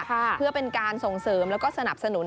เพื่อเป็นการส่งเสริมแล้วก็สนับสนุน